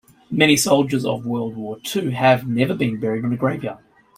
Many soldiers of world war two have never been buried on a grave yard.